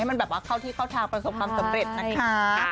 ให้มันเข้าที่เข้าทางประสบความสำเร็จนะคะ